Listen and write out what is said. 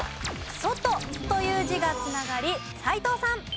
「外」という字が繋がり斎藤さん。